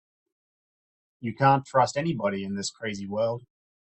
You can't trust anybody in this crazy world.